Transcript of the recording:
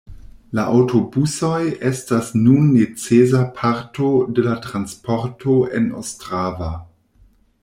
La aŭtobusoj estas nun necesa parto de la transporto en Ostrava.